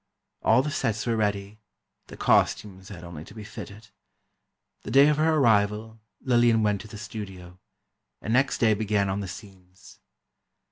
All the sets were ready, the costumes had only to be fitted. The day of her arrival, Lillian went to the studio, and next day began on the scenes.